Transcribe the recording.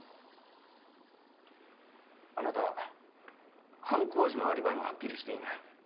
「あなた犯行時のアリバイもはっきりしていない」